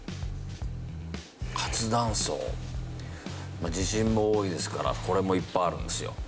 まあ地震も多いですからこれもいっぱいあるんですよ。